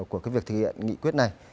của cái việc thực hiện nghị quyết này